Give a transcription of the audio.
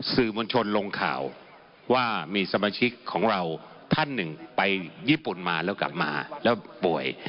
สื่อมวลชนลงข่าวว่ามีสมาชิกของเราท่านหนึ่งไปญี่ปุ่นมาแล้วกลับมาแล้วป่วย